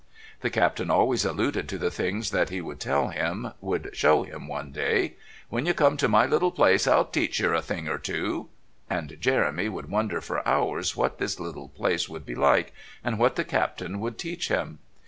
The Captain always alluded to the things that he would tell him, would show him one day "When you come to my little place I'll teach yer a thing or two" and Jeremy would wonder for hours what this little place would be like and what the Captain would teach him.